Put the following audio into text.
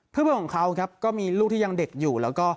เพื่อนของเขาครับก็มีลูกที่ยังเด็กอยู่แล้วก็